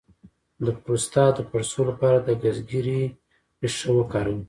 د پروستات د پړسوب لپاره د ګزګیرې ریښه وکاروئ